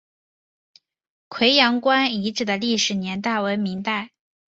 葵阳关遗址的历史年代为明代。